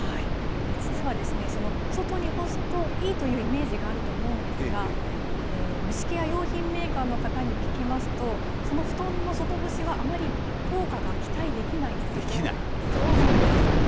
実は、外に干すといいというイメージがあると思うんですが、虫ケア用品メーカーの方に聞きますと、その布団の外干しはあまり効果が期待できないそうなんです。